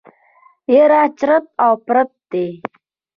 يره چټ و پټ دی.